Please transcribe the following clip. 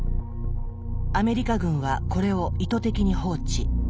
アメリカ軍はこれを意図的に放置。